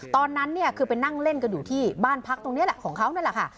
ตอนนั้นเนี่ยคือไปนั่งเล่นกันอยู่ที่บ้านพักตรงนี้แหละของเขานั่นแหละค่ะ